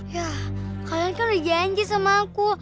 ya kalian kan udah janji sama aku